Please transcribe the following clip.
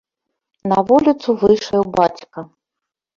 На вуліцу выйшаў бацька.